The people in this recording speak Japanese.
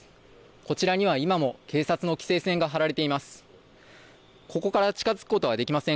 こちらには今も警察の規制線が張られています。